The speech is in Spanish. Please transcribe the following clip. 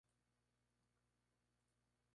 Igualmente la historia arrojó distintas posiciones.